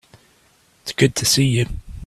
It's good to see you.